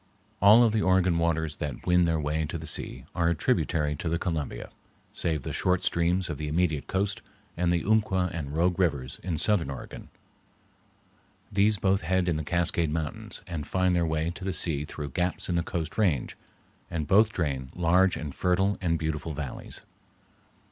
All of the Oregon waters that win their way to the sea are a tributary to the Columbia, save the short streams of the immediate coast, and the Umpqua and Rogue Rivers in southern Oregon. These both head in the Cascade Mountains and find their way to the sea through gaps in the Coast Range, and both drain large and fertile and beautiful valleys.